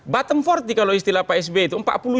bottom empat puluh kalau istilah pak sby itu